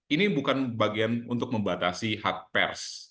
ini bukan bagian untuk membatasi hak pers